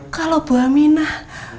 kalau bu aminah